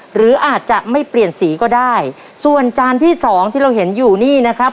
หรืออาจจะไม่เปลี่ยนสีก็ได้ส่วนจานที่สองที่เราเห็นอยู่นี่นะครับ